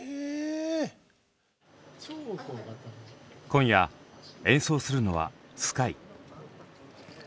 今夜演奏するのはＳＫＹＥ。